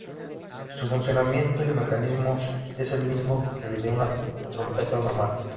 Su funcionamiento y mecanismo es el mismo que el de una trompeta normal.